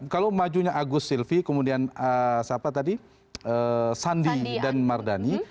kalau majunya agus silvi kemudian sandi dan mardani